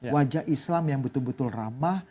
wajah islam yang betul betul ramah